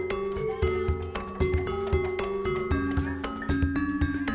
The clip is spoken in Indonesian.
ibu kayak proprio pengheim homosexual